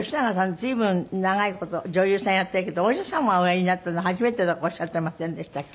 随分長い事女優さんやってるけどお医者様おやりになったの初めてとかおっしゃってませんでしたっけ？